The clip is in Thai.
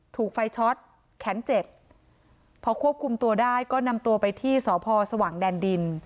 ถูกไฟช็อตแขนเจ็บพอควบคุมตัวได้ก็นำตัวไปที่สพสว่างแดนดิน